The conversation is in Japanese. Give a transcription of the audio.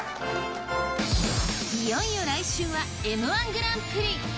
いよいよ来週はＭ−１グランプリ。